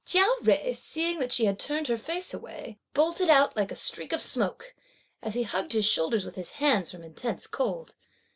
Chia Jui seeing that she had turned her face away, bolted out, like a streak of smoke, as he hugged his shoulders with his hands (from intense cold.)